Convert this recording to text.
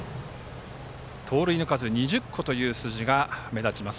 盗塁の数２０個という数字が目立ちます。